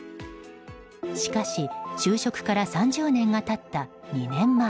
しかし、就職から３０年が経った２年前